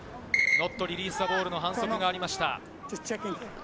ノットリリースザボールの反則がありました。